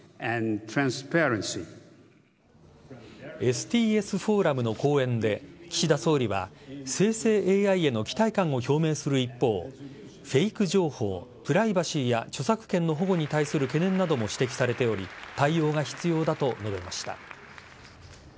ＳＴＳフォーラムの講演で岸田総理は生成ＡＩへの期待感を表明する一方フェイク情報プライバシーや著作権の保護に対する懸念なども指摘されており対応が必要だと述べました。